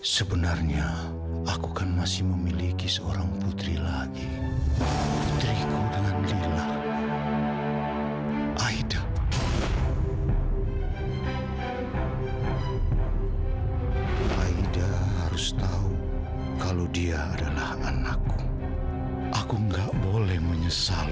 sampai jumpa di video selanjutnya